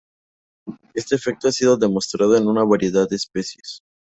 Este efecto ha sido demostrado en una variedad de especies.